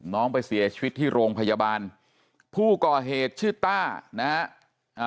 น้องไปเสียชีวิตที่โรงพยาบาลผู้ก่อเหตุชื่อต้านะฮะอ่า